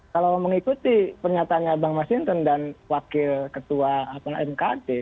kalau mengikuti pernyataannya bang mas hinton dan wakil ketua mkd